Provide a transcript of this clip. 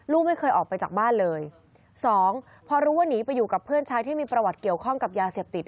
ลูกไม่เคยออกไปจากบ้านเลยสองพอรู้ว่าหนีไปอยู่กับเพื่อนชายที่มีประวัติเกี่ยวข้องกับยาเสพติด